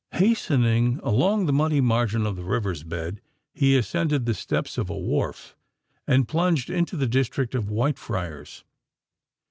Hastening along the muddy margin of the river's bed, he ascended the steps of a wharf, and plunged into the district of Whitefriars.